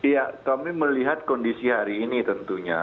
ya kami melihat kondisi hari ini tentunya